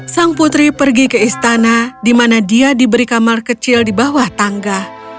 sang putri pergi ke istana di mana dia diberi kamar kecil di bawah tangga